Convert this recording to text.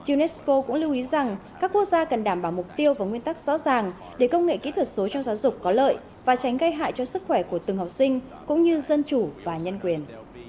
unesco cũng lưu ý rằng các quốc gia cần đảm bảo mục tiêu và nguyên tắc rõ ràng để công nghệ kỹ thuật số trong giáo dục có lợi và tránh gây hại cho sức khỏe của từng học sinh cũng như dân chủ và nhân quyền